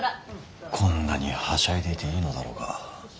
こんなにはしゃいでいていいのだろうか。